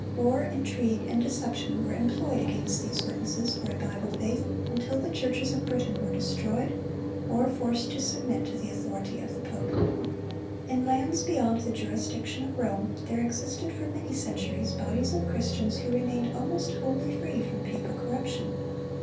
War, intrigue, and deception were employed against these witnesses for a Bible faith, until the churches of Britain were destroyed, or forced to submit to the authority of the pope. In lands beyond the jurisdiction of Rome, there existed for many centuries bodies of Christians who remained almost wholly free from papal corruption.